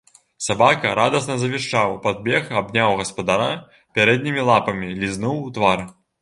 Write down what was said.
Сабака радасна завішчаў, падбег, абняў гаспадара пярэднімі лапамі, лізнуў у твар.